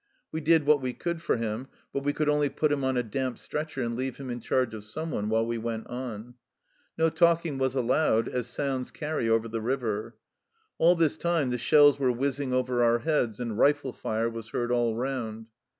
We did what we could for him, but we could only put him on a damp stretcher and leave him in charge of someone while we went on. No talking was allowed, as sounds carry over the river. All this time the shells were whizzing over our heads and rifle fire was heard all round.